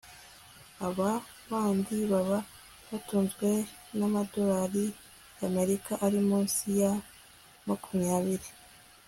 aba bandi baba batunzwe n' amadorali y' amerika ari munsi ya makumyabiri